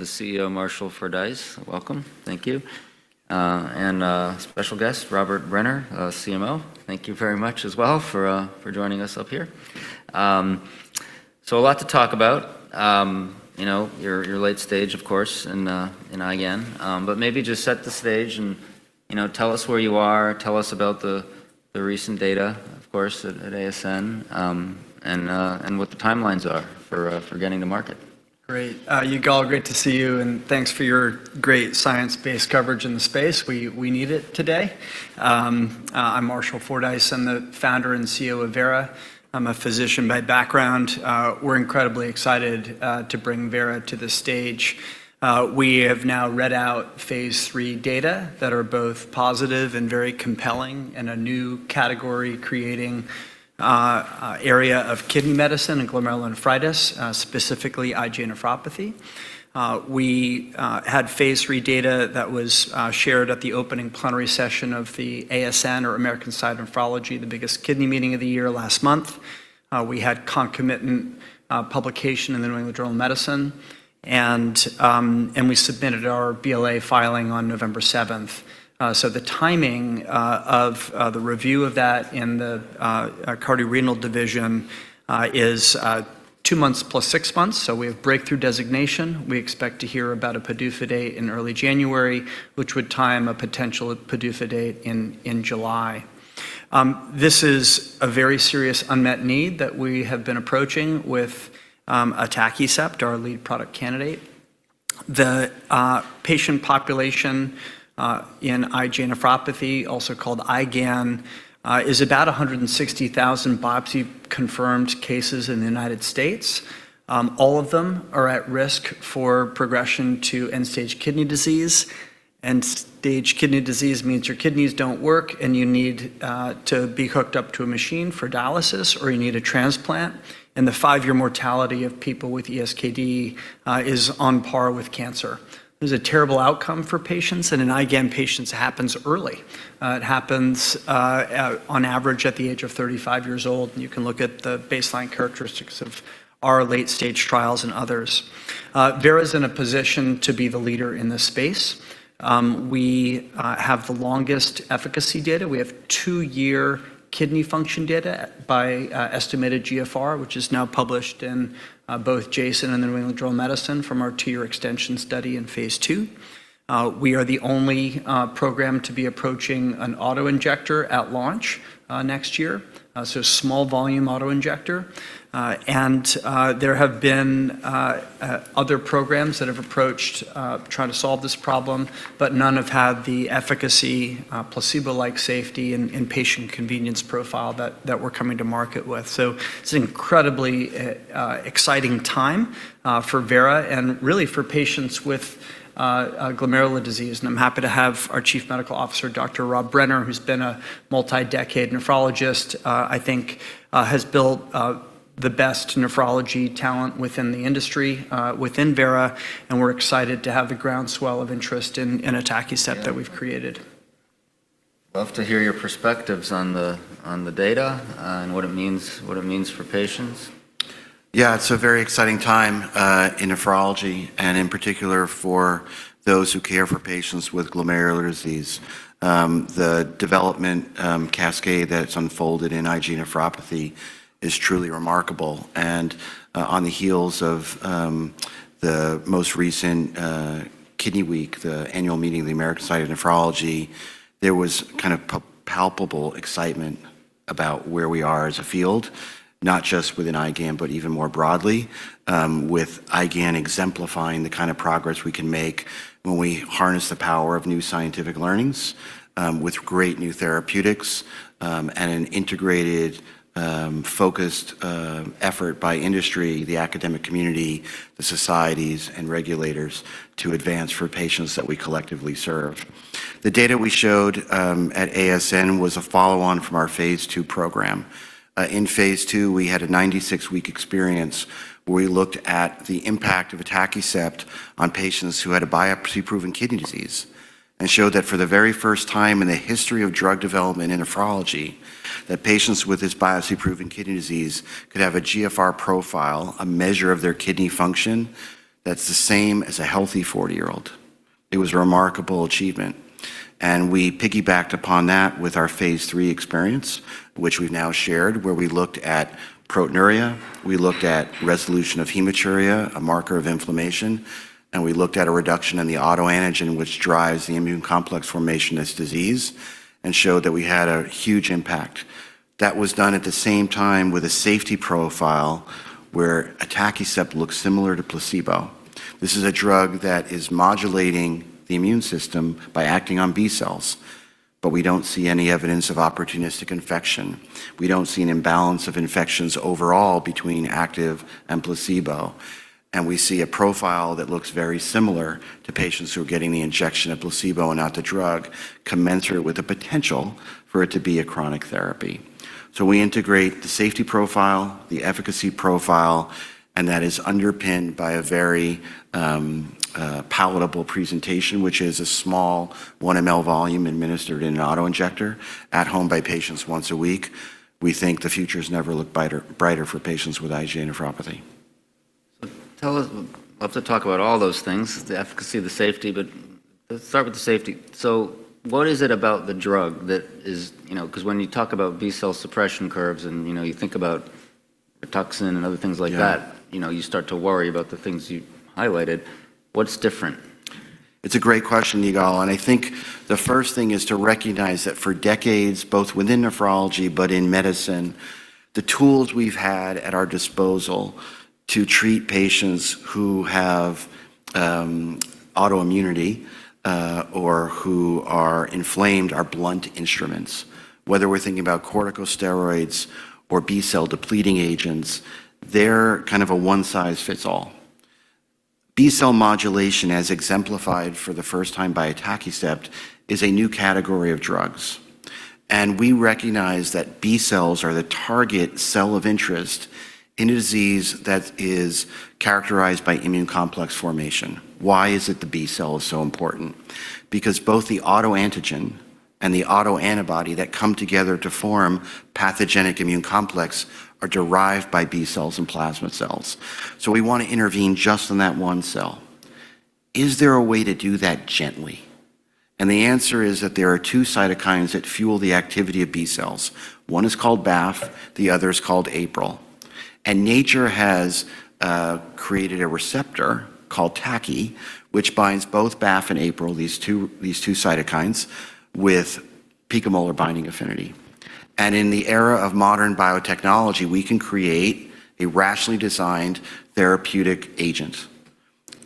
The CEO, Marshall Fordyce. Welcome. Thank you. And special guest, Robert Brenner, CMO. Thank you very much as well for joining us up here. So a lot to talk about. You know, you're late stage, of course, in IgAN. But maybe just set the stage and tell us where you are. Tell us about the recent data, of course, at ASN and what the timelines are for getting to market. Great. You all, great to see you. And thanks for your great science-based coverage in the space. We need it today. I'm Marshall Fordyce. I'm the founder and CEO of Vera. I'm a physician by background. We're incredibly excited to bring Vera to the stage. We have now read out Phase III data that are both positive and very compelling in a new category-creating area of kidney medicine and glomerulonephritis, specifically IgAN nephropathy. We had Phase III data that was shared at the opening plenary session of the ASN, or American Society of Nephrology, the biggest kidney meeting of the year last month. We had concomitant publication in the New England Journal of Medicine. And we submitted our BLA filing on November 7. So the timing of the review of that in the cardiorenal division is two months plus six months. So we have breakthrough designation. We expect to hear about a PDUFA date in early January, which would time a potential PDUFA date in July. This is a very serious unmet need that we have been approaching with Atakicept, our lead product candidate. The patient population in IgAN nephropathy, also called IgAN, is about 160,000 biopsy-confirmed cases in the United States. All of them are at risk for progression to end-stage kidney disease. End-stage kidney disease means your kidneys don't work and you need to be hooked up to a machine for dialysis or you need a transplant, and the five-year mortality of people with ESKD is on par with cancer. There's a terrible outcome for patients, and in IgAN, patients happen early. It happens on average at the age of 35 years old. You can look at the baseline characteristics of our late-stage trials and others. Vera is in a position to be the leader in this space. We have the longest efficacy data. We have two-year kidney function data by estimated GFR, which is now published in both JASN and the New England Journal of Medicine from our two-year extension study in Phase II. We are the only program to be approaching an autoinjector at launch next year. So a small-volume autoinjector. And there have been other programs that have approached trying to solve this problem, but none have had the efficacy, placebo-like safety, and patient convenience profile that we're coming to market with. So it's an incredibly exciting time for Vera and really for patients with glomerular disease. And I'm happy to have our Chief Medical Officer, Dr. Rob Brenner, who's been a multi-decade nephrologist, I think has built the best nephrology talent within the industry within Vera. We're excited to have the groundswell of interest in Atakicept that we've created. Love to hear your perspectives on the data and what it means for patients. Yeah, it's a very exciting time in nephrology, and in particular for those who care for patients with glomerular disease. The development cascade that's unfolded in IgAN nephropathy is truly remarkable. And on the heels of the most recent Kidney Week, the annual meeting of the American Society of Nephrology, there was kind of palpable excitement about where we are as a field, not just within IgAN, but even more broadly, with IgAN exemplifying the kind of progress we can make when we harness the power of new scientific learnings with great new therapeutics and an integrated, focused effort by industry, the academic community, the societies, and regulators to advance for patients that we collectively serve. The data we showed at ASN was a follow-on from our Phase II program. In Phase II, we had a 96-week experience where we looked at the impact of Atakicept on patients who had a biopsy-proven kidney disease and showed that for the very first time in the history of drug development in nephrology, that patients with this biopsy-proven kidney disease could have a GFR profile, a measure of their kidney function that's the same as a healthy 40-year-old. It was a remarkable achievement. And we piggybacked upon that with our Phase III experience, which we've now shared, where we looked at proteinuria. We looked at resolution of hematuria, a marker of inflammation. And we looked at a reduction in the autoantigen which drives the immune complex formation in this disease and showed that we had a huge impact. That was done at the same time with a safety profile where Atakicept looks similar to placebo. This is a drug that is modulating the immune system by acting on B cells, but we don't see any evidence of opportunistic infection, we don't see an imbalance of infections overall between active and placebo, and we see a profile that looks very similar to patients who are getting the injection of placebo and not the drug commensurate with the potential for it to be a chronic therapy, so we integrate the safety profile, the efficacy profile, and that is underpinned by a very palatable presentation, which is a small 1 mL volume administered in an autoinjector at home by patients once a week. We think the future has never looked brighter for patients with IgAN nephropathy. So tell us. Love to talk about all those things, the efficacy, the safety, but let's start with the safety. So what is it about the drug that is, you know, because when you talk about B cell suppression curves and you think about Rituxan and other things like that, you start to worry about the things you highlighted. What's different? It's a great question, Nigel, and I think the first thing is to recognize that for decades, both within nephrology but in medicine, the tools we've had at our disposal to treat patients who have autoimmunity or who are inflamed are blunt instruments. Whether we're thinking about corticosteroids or B cell depleting agents, they're kind of a one-size-fits-all. B cell modulation, as exemplified for the first time by Atakicept, is a new category of drugs, and we recognize that B cells are the target cell of interest in a disease that is characterized by immune complex formation. Why is it the B cell is so important? Because both the autoantigen and the autoantibody that come together to form pathogenic immune complex are derived by B cells and plasma cells, so we want to intervene just on that one cell. Is there a way to do that gently? The answer is that there are two cytokines that fuel the activity of B cells. One is called BAF, the other is called APRL. Nature has created a receptor called TAKI, which binds both BAF and APRL, these two cytokines, with picomolar binding affinity. In the era of modern biotechnology, we can create a rationally designed therapeutic agent.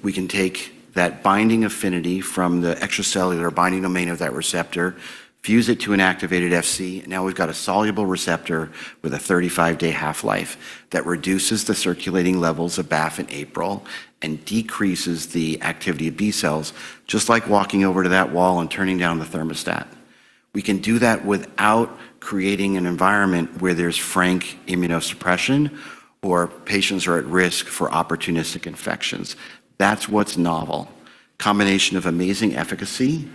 We can take that binding affinity from the extracellular binding domain of that receptor, fuse it to an activated FC. Now we've got a soluble receptor with a 35-day half-life that reduces the circulating levels of BAF and APRL and decreases the activity of B cells, just like walking over to that wall and turning down the thermostat. We can do that without creating an environment where there's frank immunosuppression or patients are at risk for opportunistic infections. That's what's novel. Combination of amazing efficacy,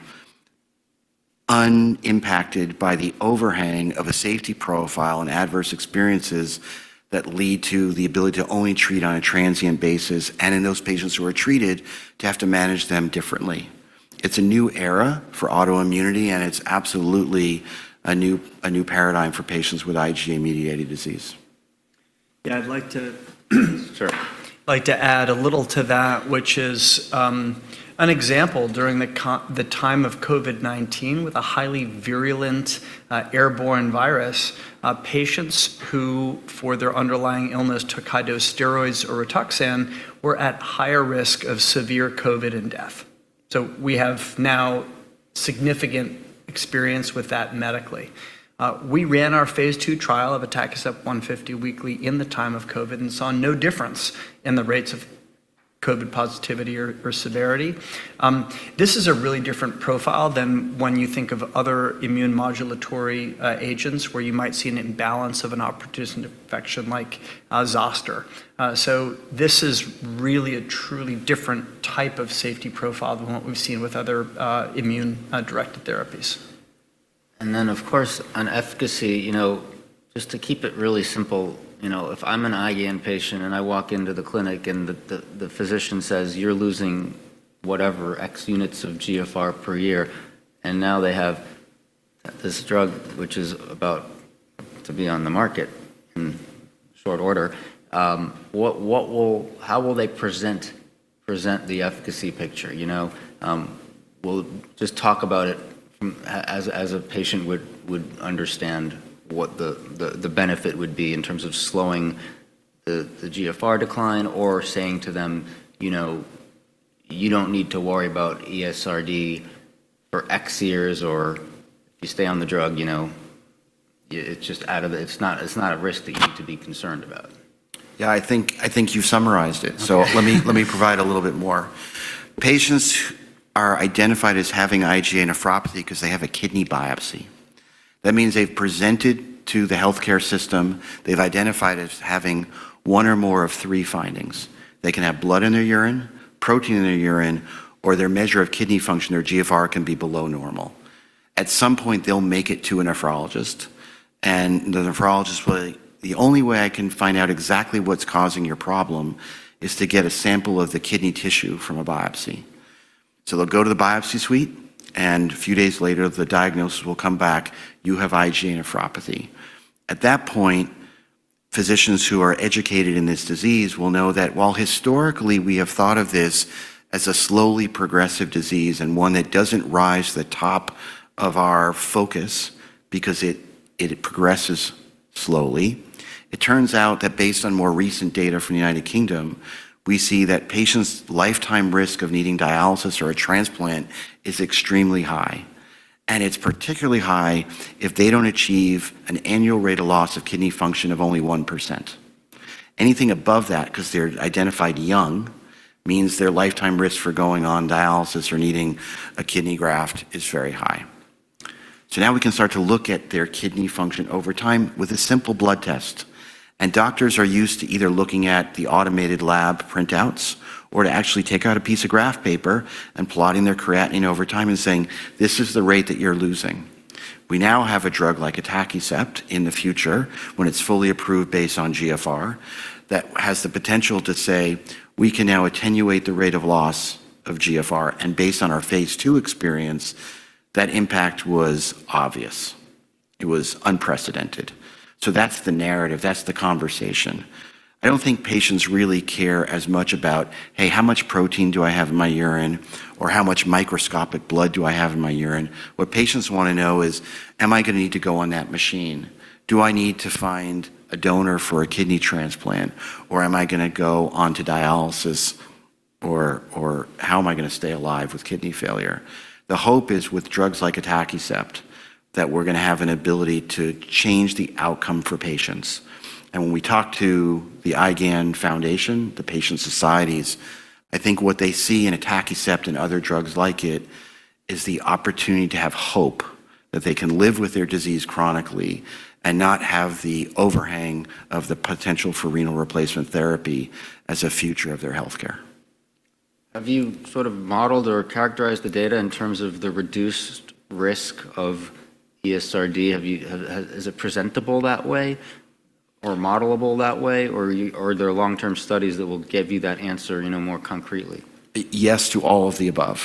unimpacted by the overhang of a safety profile and adverse experiences that lead to the ability to only treat on a transient basis, and in those patients who are treated, to have to manage them differently. It's a new era for autoimmunity, and it's absolutely a new paradigm for patients with IgAN-mediated disease. Yeah, I'd like to add a little to that, which is an example during the time of COVID-19 with a highly virulent airborne virus. Patients who for their underlying illness took high-dose steroids or Rituxan were at higher risk of severe COVID and death. So we have now significant experience with that medically. We ran our Phase II trial of Atakicept 150 weekly in the time of COVID and saw no difference in the rates of COVID positivity or severity. This is a really different profile than when you think of other immune modulatory agents where you might see an imbalance of an opportunistic infection like zoster. So this is really a truly different type of safety profile than what we've seen with other immune-directed therapies. And then, of course, on efficacy, you know, just to keep it really simple, you know, if I'm an IgAN patient and I walk into the clinic and the physician says, "You're losing whatever X units of GFR per year," and now they have this drug which is about to be on the market in short order, how will they present the efficacy picture? You know, we'll just talk about it as a patient would understand what the benefit would be in terms of slowing the GFR decline or saying to them, "You don't need to worry about ESRD for X years," or, "If you stay on the drug, you know, it's just out of the, it's not a risk that you need to be concerned about. Yeah, I think you summarized it. So let me provide a little bit more. Patients are identified as having IgAN nephropathy because they have a kidney biopsy. That means they've presented to the healthcare system, they've identified as having one or more of three findings. They can have blood in their urine, protein in their urine, or their measure of kidney function, their GFR can be below normal. At some point, they'll make it to a nephrologist. And the nephrologist will say, "The only way I can find out exactly what's causing your problem is to get a sample of the kidney tissue from a biopsy." So they'll go to the biopsy suite, and a few days later, the diagnosis will come back, "You have IgAN nephropathy." At that point, physicians who are educated in this disease will know that while historically we have thought of this as a slowly progressive disease and one that doesn't rise to the top of our focus because it progresses slowly, it turns out that based on more recent data from the United Kingdom, we see that patients' lifetime risk of needing dialysis or a transplant is extremely high. And it's particularly high if they don't achieve an annual rate of loss of kidney function of only 1%. Anything above that, because they're identified young, means their lifetime risk for going on dialysis or needing a kidney graft is very high. So now we can start to look at their kidney function over time with a simple blood test. And doctors are used to either looking at the automated lab printouts or to actually take out a piece of graph paper and plotting their creatinine over time and saying, "This is the rate that you're losing." We now have a drug like Atakicept in the future when it's fully approved based on GFR that has the potential to say, "We can now attenuate the rate of loss of GFR." And based on our Phase II experience, that impact was obvious. It was unprecedented. So that's the narrative. That's the conversation. I don't think patients really care as much about, "Hey, how much protein do I have in my urine?" or, "How much microscopic blood do I have in my urine?" What patients want to know is, "Am I going to need to go on that machine? Do I need to find a donor for a kidney transplant? Or am I going to go on to dialysis? Or how am I going to stay alive with kidney failure?" The hope is with drugs like Atakicept that we're going to have an ability to change the outcome for patients. And when we talk to the IgAN Foundation, the patient societies, I think what they see in Atakicept and other drugs like it is the opportunity to have hope that they can live with their disease chronically and not have the overhang of the potential for renal replacement therapy as a future of their healthcare. Have you sort of modeled or characterized the data in terms of the reduced risk of ESRD? Is it presentable that way or modelable that way? Or are there long-term studies that will give you that answer, you know, more concretely? Yes to all of the above.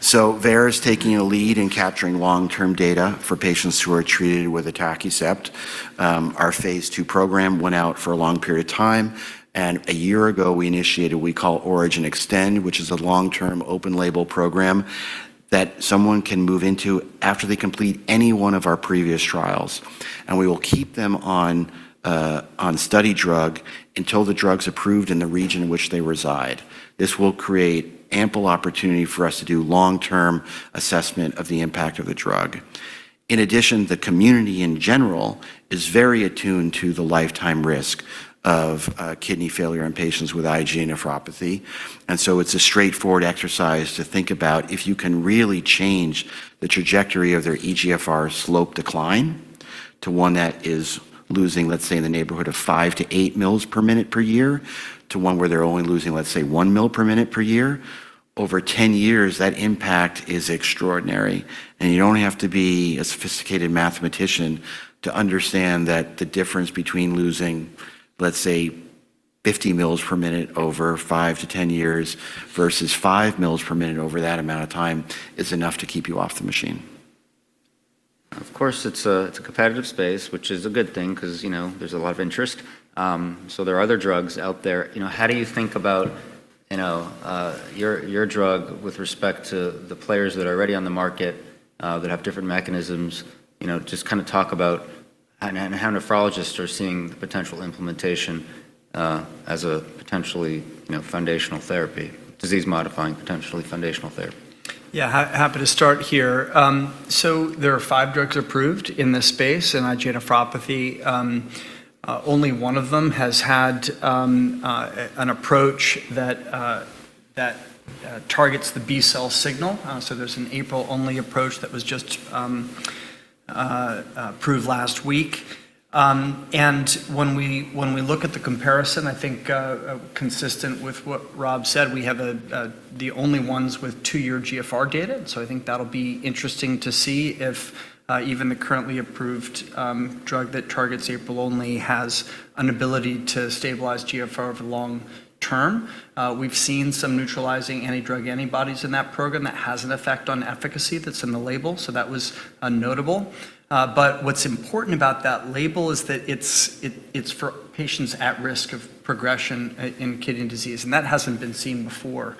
So Vera's taking a lead in capturing long-term data for patients who are treated with Atakicept. Our Phase II program went out for a long period of time. And a year ago, we initiated what we call Origin Extend, which is a long-term open-label program that someone can move into after they complete any one of our previous trials. And we will keep them on study drug until the drug's approved in the region in which they reside. This will create ample opportunity for us to do long-term assessment of the impact of the drug. In addition, the community in general is very attuned to the lifetime risk of kidney failure in patients with IgAN nephropathy. It is a straightforward exercise to think about if you can really change the trajectory of their eGFR slope decline to one that is losing, let's say, in the neighborhood of five to eight mL per minute per year to one where they're only losing, let's say, one mL per minute per year. Over 10 years, that impact is extraordinary. You don't have to be a sophisticated mathematician to understand that the difference between losing, let's say, 50 mL per minute over five to 10 years versus five mL per minute over that amount of time is enough to keep you off the machine. Of course, it's a competitive space, which is a good thing because, you know, there's a lot of interest. So there are other drugs out there. You know, how do you think about, you know, your drug with respect to the players that are already on the market that have different mechanisms? You know, just kind of talk about how nephrologists are seeing the potential implementation as a potentially foundational therapy, disease-modifying potentially foundational therapy. Yeah, happy to start here. So there are five drugs approved in this space in IgAN nephropathy. Only one of them has had an approach that targets the B cell signal. So there's an APRL-only approach that was just approved last week. And when we look at the comparison, I think consistent with what Rob said, we have the only ones with two-year GFR data. So I think that'll be interesting to see if even the currently approved drug that targets APRL-only has an ability to stabilize GFR over the long term. We've seen some neutralizing antidrug antibodies in that program that has an effect on efficacy that's in the label. So that was notable. But what's important about that label is that it's for patients at risk of progression in kidney disease. And that hasn't been seen before.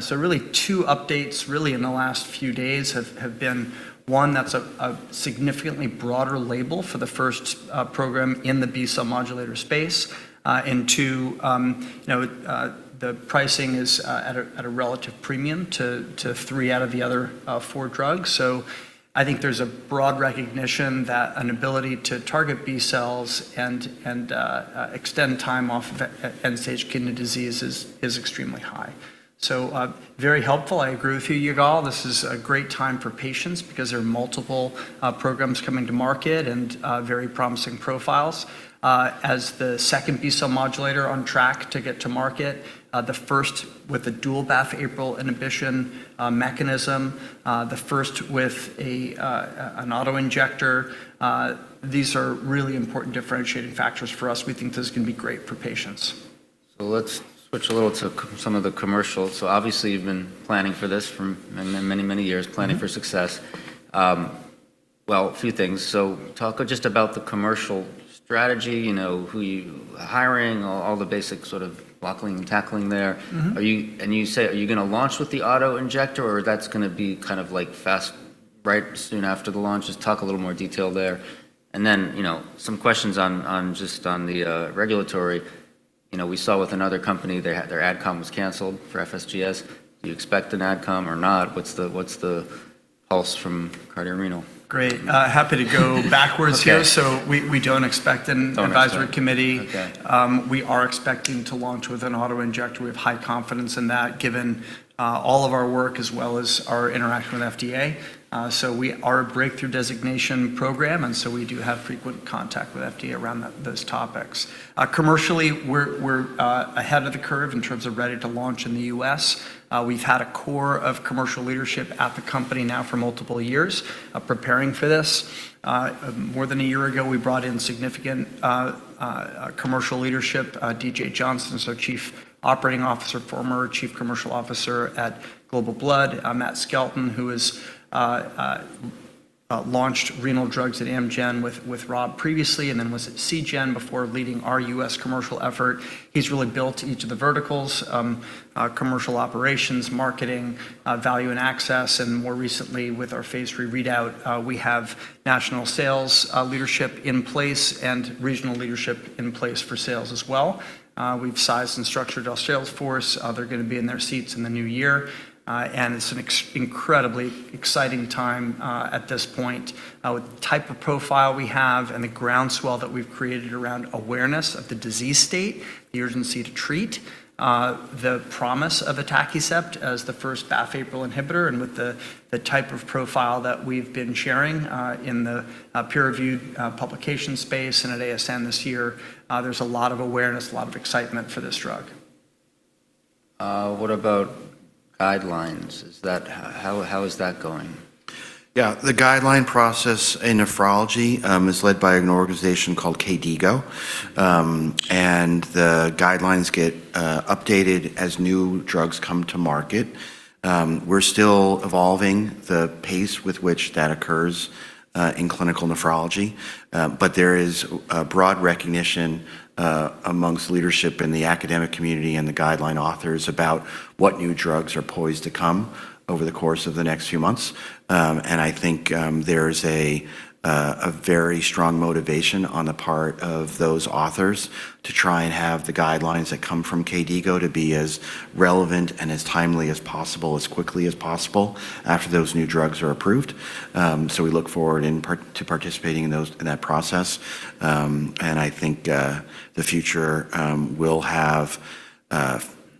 So really two updates really in the last few days have been one, that's a significantly broader label for the first program in the B cell modulator space. And two, you know, the pricing is at a relative premium to three out of the other four drugs. So I think there's a broad recognition that an ability to target B cells and extend time off end-stage kidney disease is extremely high. So very helpful. I agree with you, Yigal. This is a great time for patients because there are multiple programs coming to market and very promising profiles. As the second B cell modulator on track to get to market, the first with a dual BAF-APRL inhibition mechanism, the first with an autoinjector, these are really important differentiating factors for us. We think this is going to be great for patients. So let's switch a little to some of the commercials. So obviously, you've been planning for this for many, many years, planning for success. Well, a few things. So talk just about the commercial strategy, you know, who you're hiring, all the basic sort of blocking and tackling there. And you say, "Are you going to launch with the autoinjector or that's going to be kind of like fast right soon after the launch?" Just talk a little more detail there. And then, you know, some questions on just on the regulatory. You know, we saw with another company, their adcom was canceled for FSGS. Do you expect an adcom or not? What's the pulse from CardioRenal? Great. Happy to go backwards here. We don't expect an advisory committee. We are expecting to launch with an autoinjector. We have high confidence in that given all of our work as well as our interaction with FDA. We are a breakthrough designation program. We do have frequent contact with FDA around those topics. Commercially, we're ahead of the curve in terms of ready to launch in the US. We've had a core of commercial leadership at the company now for multiple years preparing for this. More than a year ago, we brought in significant commercial leadership, DJ Johnson, so Chief Operating Officer, former Chief Commercial Officer at Global Blood, Matt Skelton, who has launched renal drugs at Amgen with Rob previously and then was at Seagen before leading our US. commercial effort. He's really built each of the verticals, commercial operations, marketing, value and access. More recently, with our Phase III readout, we have national sales leadership in place and regional leadership in place for sales as well. We've sized and structured our sales force. They're going to be in their seats in the new year. It's an incredibly exciting time at this point with the type of profile we have and the groundswell that we've created around awareness of the disease state, the urgency to treat, the promise of Atakicept as the first BAF-APRL inhibitor. With the type of profile that we've been sharing in the peer-reviewed publication space and at ASN this year, there's a lot of awareness, a lot of excitement for this drug. What about guidelines? How is that going? Yeah, the guideline process in nephrology is led by an organization called KDIGO, and the guidelines get updated as new drugs come to market. We're still evolving the pace with which that occurs in clinical nephrology, but there is a broad recognition among leadership in the academic community and the guideline authors about what new drugs are poised to come over the course of the next few months, and I think there's a very strong motivation on the part of those authors to try and have the guidelines that come from KDIGO to be as relevant and as timely as possible, as quickly as possible after those new drugs are approved, so we look forward to participating in that process. I think the future will have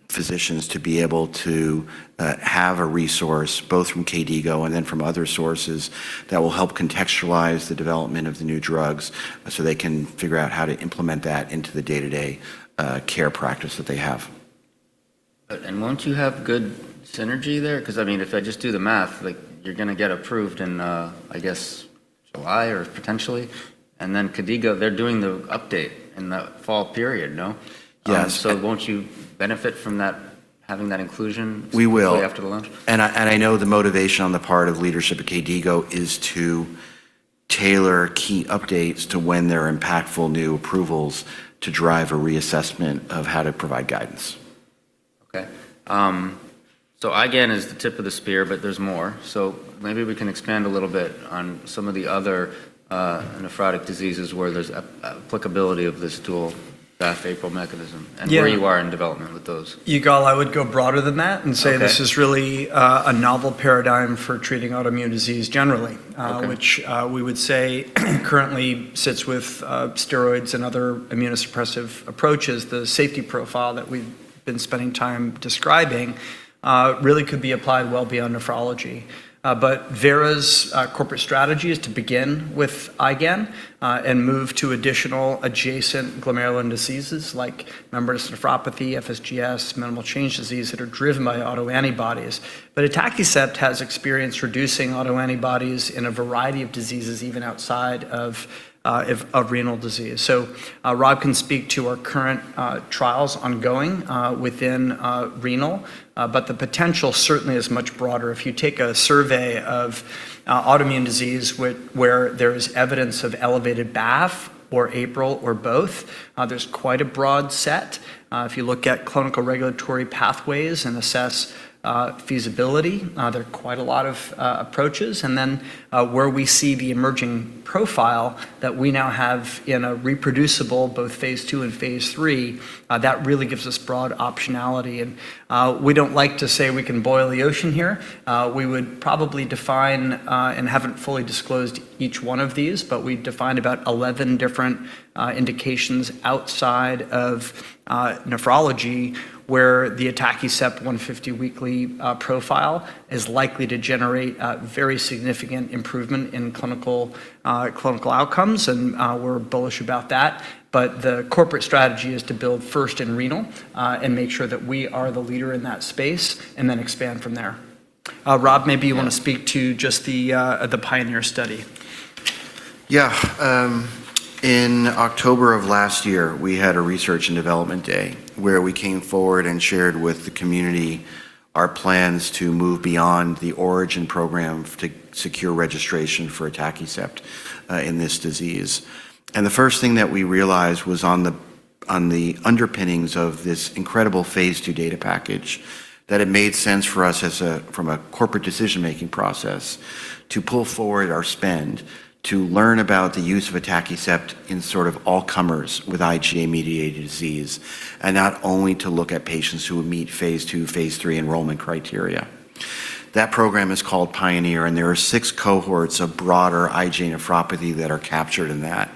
physicians to be able to have a resource both from KDIGO and then from other sources that will help contextualize the development of the new drugs so they can figure out how to implement that into the day-to-day care practice that they have. Won't you have good synergy there? Because I mean, if I just do the math, like you're going to get approved in, I guess, July or potentially. Then KDIGO, they're doing the update in the fall period, no? Yes. So won't you benefit from having that inclusion after the launch? We will, and I know the motivation on the part of leadership at KDIGO is to tailor key updates to when there are impactful new approvals to drive a reassessment of how to provide guidance. Okay. So IgAN is the tip of the spear, but there's more. So maybe we can expand a little bit on some of the other nephrotic diseases where there's applicability of this dual BAFF-APRIL mechanism and where you are in development with those. Yigal, I would go broader than that and say this is really a novel paradigm for treating autoimmune disease generally, which we would say currently sits with steroids and other immunosuppressive approaches. The safety profile that we've been spending time describing really could be applied well beyond nephrology. But Vera's corporate strategy is to begin with IgAN and move to additional adjacent glomerular diseases like membranous nephropathy, FSGS, minimal change disease that are driven by autoantibodies. But Atakicept has experience reducing autoantibodies in a variety of diseases even outside of renal disease. So Rob can speak to our current trials ongoing within renal. But the potential certainly is much broader. If you take a survey of autoimmune disease where there is evidence of elevated BAF or APRL or both, there's quite a broad set. If you look at clinical regulatory pathways and assess feasibility, there are quite a lot of approaches. And then where we see the emerging profile that we now have in a reproducible both Phase II and Phase III, that really gives us broad optionality. And we don't like to say we can boil the ocean here. We would probably define and haven't fully disclosed each one of these, but we defined about 11 different indications outside of nephrology where the Atakicept 150 weekly profile is likely to generate very significant improvement in clinical outcomes. And we're bullish about that. But the corporate strategy is to build first in renal and make sure that we are the leader in that space and then expand from there. Rob, maybe you want to speak to just the pioneer study. Yeah. In October of last year, we had a research and development day where we came forward and shared with the community our plans to move beyond the Origin program to secure registration for Atakicept in this disease. And the first thing that we realized was on the underpinnings of this incredible Phase II data package that it made sense for us from a corporate decision-making process to pull forward our spend to learn about the use of Atakicept in sort of all comers with IgAN-mediated disease and not only to look at patients who would meet Phase II, Phase III enrollment criteria. That program is called Pioneer. There are six cohorts of broader IgAN nephropathy that are captured in that: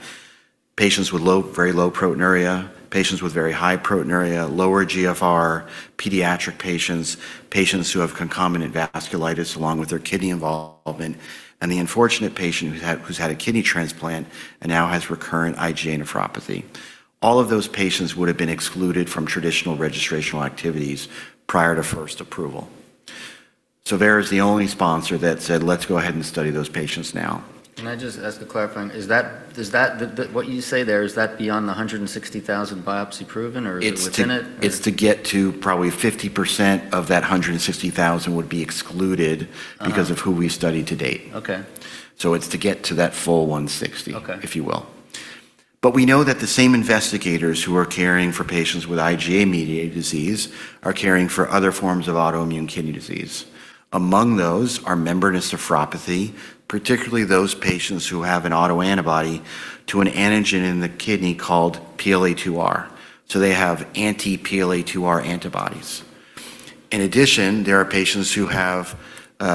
patients with very low proteinuria, patients with very high proteinuria, lower GFR, pediatric patients, patients who have concomitant vasculitis along with their kidney involvement, and the unfortunate patient who's had a kidney transplant and now has recurrent IgAN nephropathy. All of those patients would have been excluded from traditional registration activities prior to first approval. So Vera is the only sponsor that said, "Let's go ahead and study those patients now. Can I just ask a clarifying? Is that what you say there, is that beyond the 160,000 biopsy-proven or is it within it? It's to get to probably 50% of that 160,000 would be excluded because of who we study to date. So it's to get to that full 160, if you will. But we know that the same investigators who are caring for patients with IgAN-mediated disease are caring for other forms of autoimmune kidney disease. Among those are membranous nephropathy, particularly those patients who have an autoantibody to an antigen in the kidney called PLA2R. So they have anti-PLA2R antibodies. In addition, there are patients who have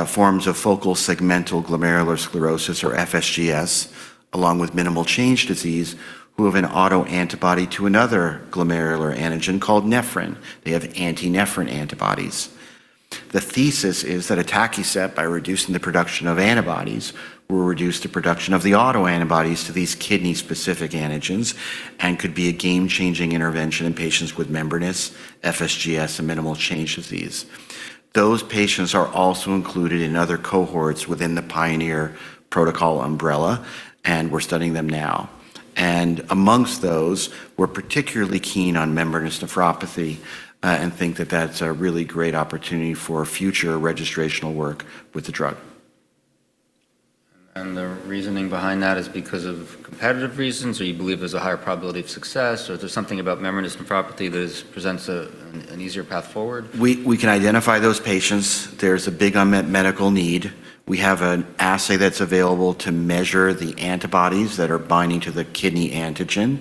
forms of focal segmental glomerulosclerosis or FSGS along with minimal change disease who have an autoantibody to another glomerular antigen called nephrin. They have anti-nephrin antibodies. The thesis is that Atakicept, by reducing the production of antibodies, will reduce the production of the autoantibodies to these kidney-specific antigens and could be a game-changing intervention in patients with membranous FSGS and minimal change disease. Those patients are also included in other cohorts within the Pioneer protocol umbrella, and we're studying them now, and amongst those, we're particularly keen on membranous nephropathy and think that that's a really great opportunity for future registrational work with the drug. The reasoning behind that is because of competitive reasons or you believe there's a higher probability of success or there's something about membranous nephropathy that presents an easier path forward? We can identify those patients. There's a big unmet medical need. We have an assay that's available to measure the antibodies that are binding to the kidney antigen.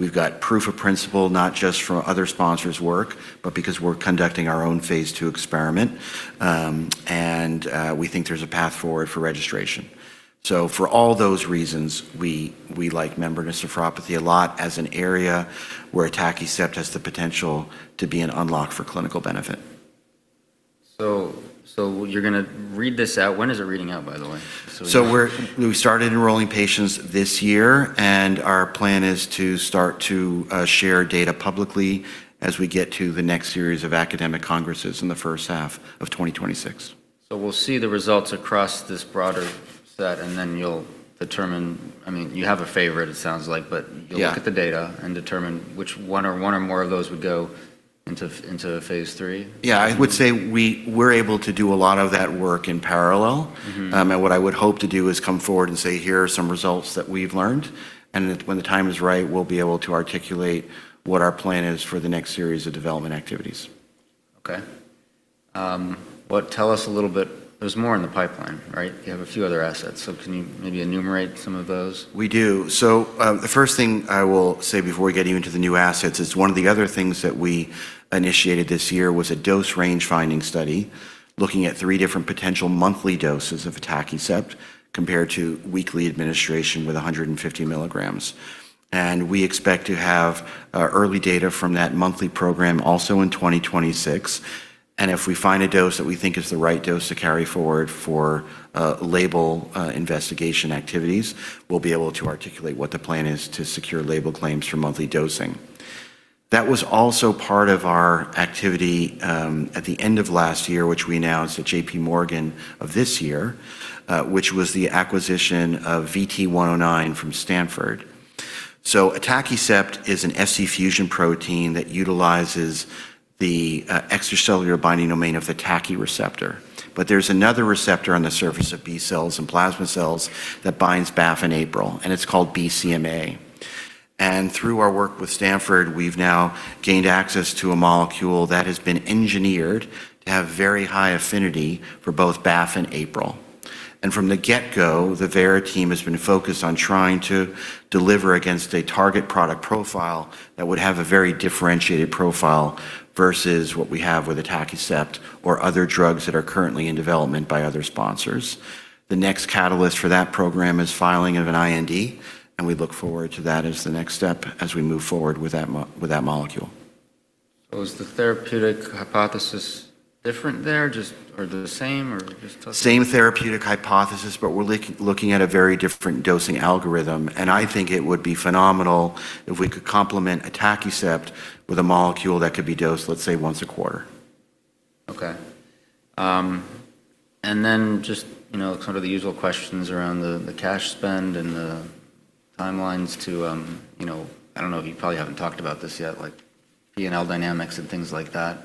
We've got proof of principle, not just from other sponsors' work, but because we're conducting our own Phase II experiment, and we think there's a path forward for registration, so for all those reasons, we like membranous nephropathy a lot as an area where Atakicept has the potential to be an unlock for clinical benefit. So you're going to read this out. When is it reading out, by the way? We started enrolling patients this year. Our plan is to start to share data publicly as we get to the next series of academic congresses in the first half of 2026. So we'll see the results across this broader set, and then you'll determine, I mean, you have a favorite, it sounds like, but you'll look at the data and determine which one or more of those would go into Phase III. Yeah, I would say we're able to do a lot of that work in parallel, and what I would hope to do is come forward and say, "Here are some results that we've learned," and when the time is right, we'll be able to articulate what our plan is for the next series of development activities. Okay. But tell us a little bit, there's more in the pipeline, right? You have a few other assets. So can you maybe enumerate some of those? We do. So the first thing I will say before we get even to the new assets is one of the other things that we initiated this year was a dose range finding study looking at three different potential monthly doses of Atakicept compared to weekly administration with 150 milligrams. And we expect to have early data from that monthly program also in 2026. And if we find a dose that we think is the right dose to carry forward for label investigation activities, we'll be able to articulate what the plan is to secure label claims for monthly dosing. That was also part of our activity at the end of last year, which we announced at JPMorgan of this year, which was the acquisition of VT109 from Stanford. So Atakicept is an FC fusion protein that utilizes the extracellular binding domain of the TACI receptor. But there's another receptor on the surface of B cells and plasma cells that binds BAF and APRL, and it's called BCMA. And through our work with Stanford, we've now gained access to a molecule that has been engineered to have very high affinity for both BAF and APRL. And from the get-go, the Vera team has been focused on trying to deliver against a target product profile that would have a very differentiated profile versus what we have with Atakicept or other drugs that are currently in development by other sponsors. The next catalyst for that program is filing of an IND, and we look forward to that as the next step as we move forward with that molecule. So is the therapeutic hypothesis different there or the same or just? Same therapeutic hypothesis, but we're looking at a very different dosing algorithm, and I think it would be phenomenal if we could complement Atakicept with a molecule that could be dosed, let's say, once a quarter. Okay. And then just sort of the usual questions around the cash spend and the timelines to, I don't know if you probably haven't talked about this yet, like P&L dynamics and things like that.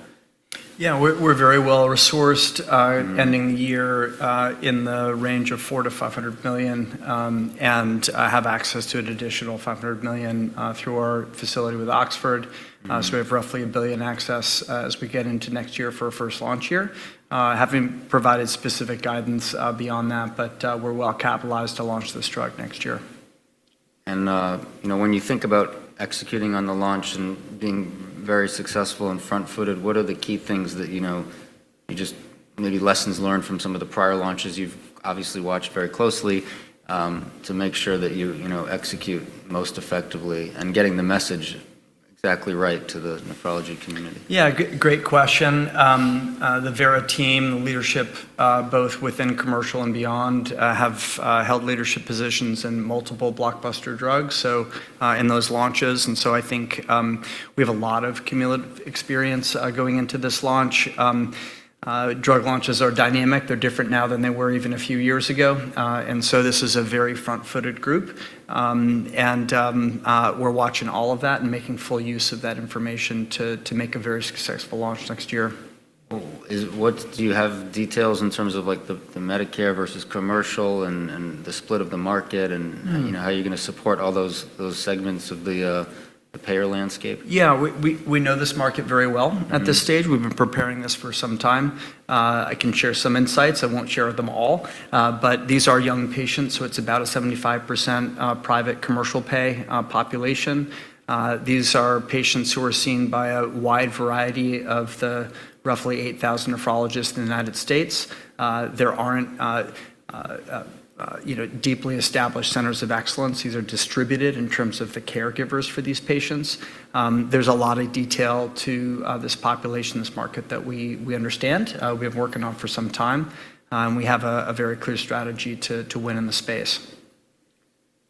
Yeah, we're very well resourced ending the year in the range of $400 million-$500 million and have access to an additional $500 million through our facility with Oxford. So we have roughly $1 billion access as we get into next year for our first launch year, having provided specific guidance beyond that, but we're well capitalized to launch this drug next year. When you think about executing on the launch and being very successful and front-footed, what are the key things that you just maybe lessons learned from some of the prior launches you've obviously watched very closely to make sure that you execute most effectively and getting the message exactly right to the nephrology community? Yeah, great question. The Vera team, the leadership, both within commercial and beyond, have held leadership positions in multiple blockbuster drugs in those launches. And so I think we have a lot of cumulative experience going into this launch. Drug launches are dynamic. They're different now than they were even a few years ago. And so this is a very front-footed group. And we're watching all of that and making full use of that information to make a very successful launch next year. What do you have details in terms of the Medicare versus commercial and the split of the market and how you're going to support all those segments of the payer landscape? Yeah, we know this market very well at this stage. We've been preparing this for some time. I can share some insights. I won't share them all. But these are young patients, so it's about a 75% private commercial pay population. These are patients who are seen by a wide variety of the roughly 8,000 nephrologists in the United States. There aren't deeply established centers of excellence. These are distributed in terms of the caregivers for these patients. There's a lot of detail to this population, this market that we understand. We have been working on for some time. And we have a very clear strategy to win in the space.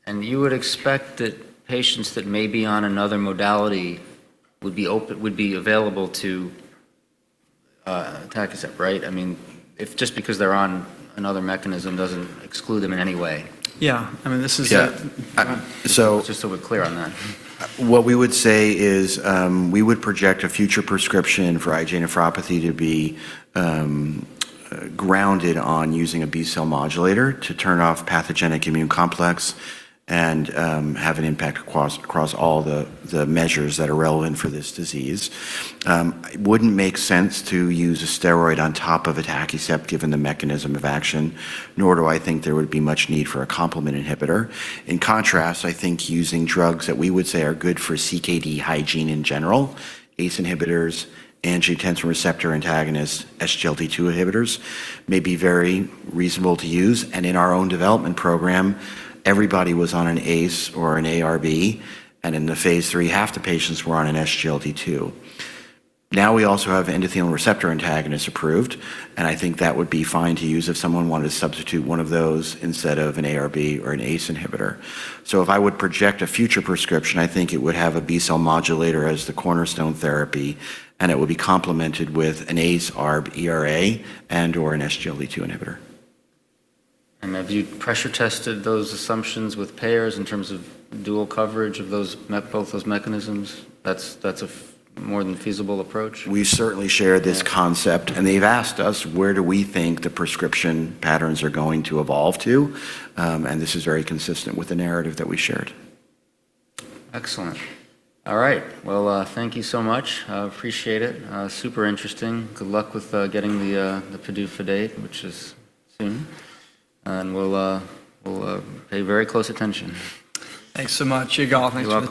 And you would expect that patients that may be on another modality would be available to Atakicept, right? I mean, just because they're on another mechanism doesn't exclude them in any way. Yeah. I mean, this is. Just so we're clear on that. What we would say is we would project a future prescription for IgAN nephropathy to be grounded on using a B cell modulator to turn off pathogenic immune complex and have an impact across all the measures that are relevant for this disease. It wouldn't make sense to use a steroid on top of Atakicept given the mechanism of action, nor do I think there would be much need for a complement inhibitor. In contrast, I think using drugs that we would say are good for CKD hygiene in general, ACE inhibitors, angiotensin receptor antagonists, SGLT2 inhibitors may be very reasonable to use, and in our own development program, everybody was on an ACE or an ARB, and in the Phase III, half the patients were on an SGLT2. Now we also have endothelin receptor antagonists approved. And I think that would be fine to use if someone wanted to substitute one of those instead of an ARB or an ACE inhibitor. So if I would project a future prescription, I think it would have a B cell modulator as the cornerstone therapy, and it would be complemented with an ACE, ARB, ERA, and/or an SGLT2 inhibitor. Have you pressure tested those assumptions with payers in terms of dual coverage of both those mechanisms? That's a more than feasible approach. We certainly share this concept. They've asked us where we think the prescription patterns are going to evolve to. This is very consistent with the narrative that we shared. Excellent. All right, well, thank you so much. I appreciate it. Super interesting. Good luck with getting the PDUFA date, which is soon, and we'll pay very close attention. Thanks so much. You're going to.